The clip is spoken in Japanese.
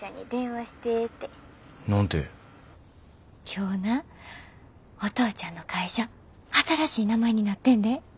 今日なお父ちゃんの会社新しい名前になってんで。